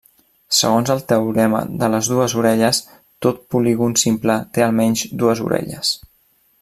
Segons el teorema de les dues orelles, tot polígon simple té almenys dues orelles.